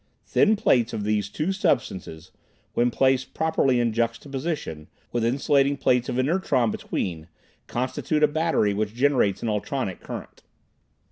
Thin plates of these two substances, when placed properly in juxtaposition, with insulating plates of inertron between, constitute a battery which generates an ultronic current.